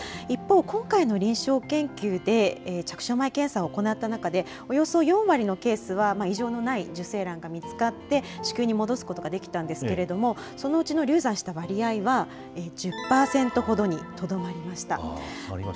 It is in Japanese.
一方、今回の臨床研究で着床前検査を行った中でおよそ４割のケースは異常のない受精卵が見つかって、子宮に戻すことができたんですけれども、そのうちの流産した割合は１０％ほどにとどまりました。